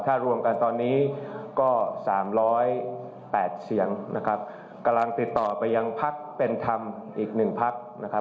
ถ้ารวมกันตอนนี้ก็๓๐๘เสียงนะครับกำลังติดต่อไปยังพักเป็นธรรมอีกหนึ่งพักนะครับ